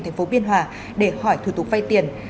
tp biên hòa để hỏi thủ tục vay tiền